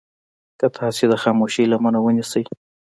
که تاسې د خاموشي لمنه ونيسئ.